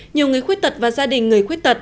nhiều người khuyết tật và gia đình người khuyết tật